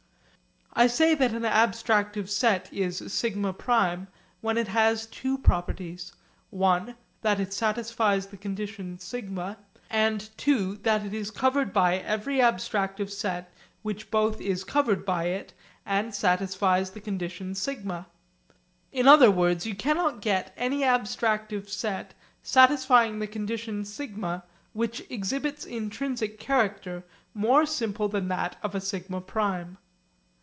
I say that an abstractive set is 'σ prime' when it has the two properties, (i) that it satisfies the condition σ and (ii) that it is covered by every abstractive set which both is covered by it and satisfies the condition σ. In other words you cannot get any abstractive set satisfying the condition σ which exhibits intrinsic character more simple than that of a σ prime.